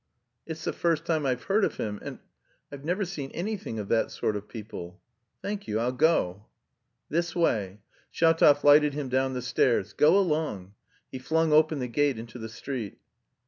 "It's the first time I've heard of him, and... I've never seen anything of that sort of people. Thank you, I'll go." "This way." Shatov lighted him down the stairs. "Go along." He flung open the gate into the street.